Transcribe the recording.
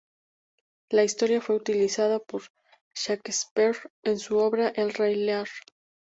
La historia fue utilizada por Shakespeare en su obra "El rey Lear.